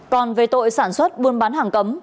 còn về tội sản xuất buôn bán hàng cấm